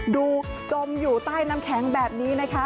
จมอยู่ใต้น้ำแข็งแบบนี้นะคะ